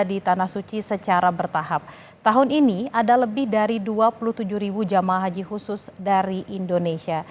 di tanah suci secara bertahap tahun ini ada lebih dari dua puluh tujuh jamaah haji khusus dari indonesia